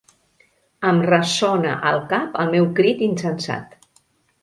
Em ressona al cap el meu crit insensat.